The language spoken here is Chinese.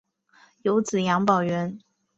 有子杨葆元。